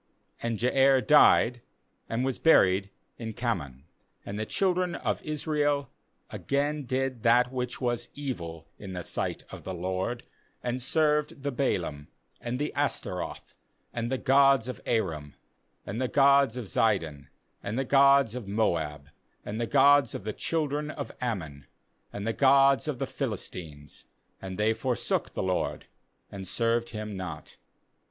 5And Jair died, and was buried in Kamon. 6And the children of Israel again did that which was evil in the sight of the LORD, and served the Baalim, and the Ashtaroth, and the gods of Aram, and the gods of Zidon, and the gods of Moab, and the gods of the children of Ammon, and the gods of the Philistines; and they forsook the LORD, and served Him not.